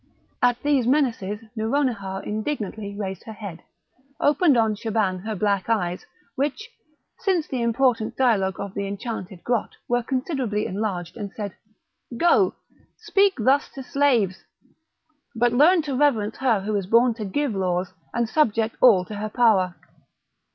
At these menaces Nouronihar indignantly raised her head, opened on Shaban her black eyes, which, since the important dialogue of the enchanted grot, were considerably enlarged, and said: "Go, speak thus to slaves, but learn to reverence her who is born to give laws, and subject all to her power."